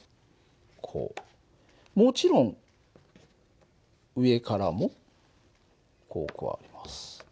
もちろん上からもこう加わります。